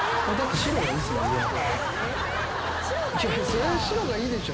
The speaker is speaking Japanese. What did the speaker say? そりゃ白がいいでしょ